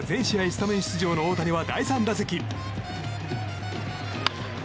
スタメン出場の大谷は第３打席。